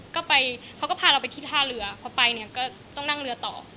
ก็ไปเขาก็พาเราไปที่ท่าเรือพอไปเนี่ยก็ต้องนั่งเรือต่อ